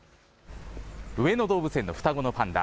上野動物園で双子のパンダ。